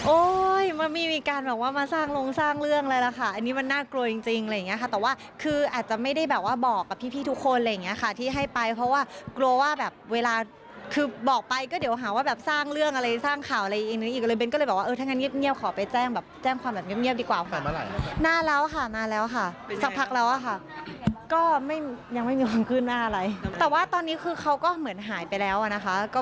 โอ้ยมันมีมีการแบบว่ามาสร้างโรงสร้างเรื่องอะไรแหละค่ะอันนี้มันน่ากลัวจริงอะไรอย่างเงี้ยค่ะแต่ว่าคืออาจจะไม่ได้แบบว่าบอกกับพี่ทุกคนอะไรอย่างเงี้ยค่ะที่ให้ไปเพราะว่ากลัวว่าแบบเวลาคือบอกไปก็เดี๋ยวหาว่าแบบสร้างเรื่องอะไรสร้างข่าวอะไรอีกอีกเลยเบนก็เลยบอกว่าเออถ้างั้นเงียบขอไปแจ้งแบ